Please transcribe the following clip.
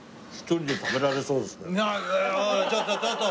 おいちょっとちょっと！